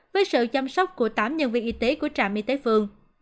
với sự chăm sóc của tám nhân viên y tế của trạm y tế phường